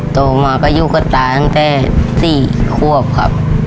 โตมาก็อยู่กับตาตั้งแต่๔ควบครับ